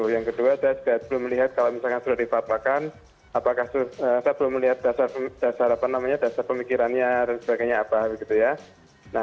yang kedua saya belum melihat kalau misalkan sudah dipaparkan apakah saya belum melihat dasar pemikirannya dan sebagainya